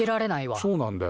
そうなんだよ。